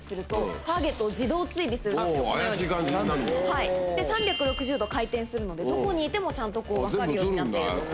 はいで３６０度回転するのでどこにいてもちゃんと分かるようになっている。